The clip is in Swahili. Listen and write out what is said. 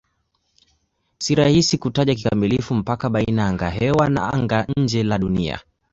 Si rahisi kutaja kikamilifu mpaka baina ya angahewa na anga-nje la Dunia.